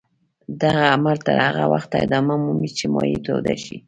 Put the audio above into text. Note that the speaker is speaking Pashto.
دغه عمل تر هغه وخته ادامه مومي چې مایع توده شي.